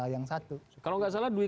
yang satu kalau nggak salah duit